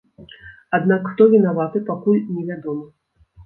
Аднак хто вінаваты, пакуль невядома.